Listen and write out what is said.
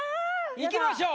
いきましょう。